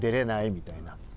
みたいな。